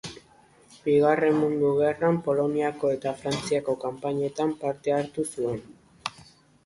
Bigarren Mundu Gerran, Poloniako eta Frantziako kanpainetan parte hartu zuen.